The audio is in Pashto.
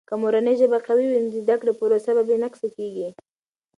که مورنۍ ژبه قوي وي، نو د زده کړې پروسه بې نقصه کیږي.